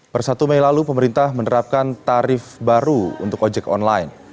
per satu mei lalu pemerintah menerapkan tarif baru untuk ojek online